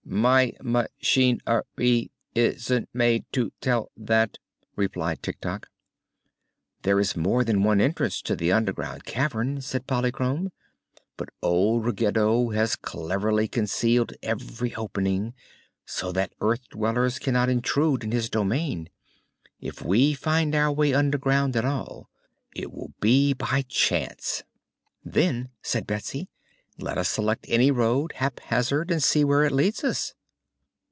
"My ma chin er y is n't made to tell that," replied Tik Tok. "There is more than one entrance to the underground cavern," said Polychrome; "but old Ruggedo has cleverly concealed every opening, so that earth dwellers can not intrude in his domain. If we find our way underground at all, it will be by chance." "Then," said Betsy, "let us select any road, haphazard, and see where it leads us."